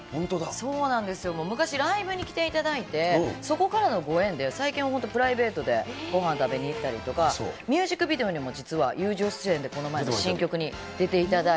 そうなんですよ、昔、ライブに来ていただいて、そこからのご縁で、最近は本当、プライベートでごはん食べに行ったりとか、ミュージックビデオにも実は友情出演でこの前の新曲に出ていただ